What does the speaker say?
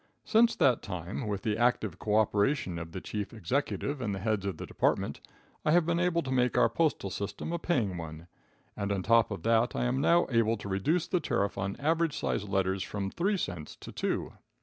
Since that time, with the active co operation of the chief executive and the heads of the department, I have been able to make our postal system a paying one, and on top of that I am now able to reduce the tariff on average sized letters from three cents to two.